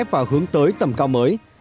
và hướng tới tầm cao mới